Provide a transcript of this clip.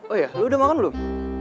oh iya lo udah makan belum